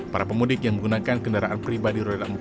para pemudik yang menggunakan kendaraan pribadi roda empat